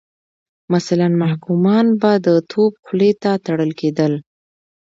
مثلا محکومان به د توپ خولې ته تړل کېدل.